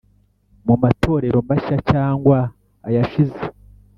mu matorero mashya cyangwa ayashize